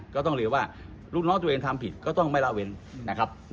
ก็ต้องเรียนว่าลูกน้องตัวเองทำผิดก็ต้องไม่ละเว้นนะครับ